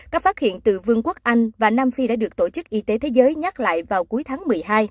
các phát hiện từ vương quốc anh và nam phi đã được tổ chức y tế thế giới nhắc lại vào cuối tháng một mươi hai